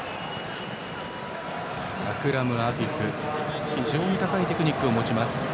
アクラム・アフィフ非常に高いテクニックを持ちます。